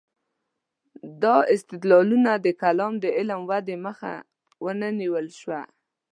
دا استدلالونه د کلام د علم ودې مخه ونه نیول شوه.